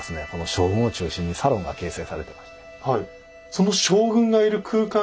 将軍を中心にサロンが形成されていました。